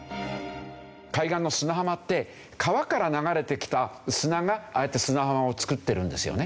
海岸の砂浜って川から流れてきた砂がああやって砂浜を作ってるんですよね。